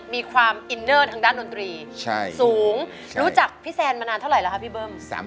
มีความอินเนลทางด้านตัวนทรีย์สูงรู้จักพี่แซนมานานเท่าไรล่ะพี่เบิ้ม